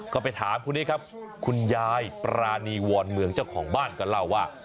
ก็ไปถามคนนี้ครับคุณยายปรานีวรเมืองเจ้าของบ้านก็เล่าว่า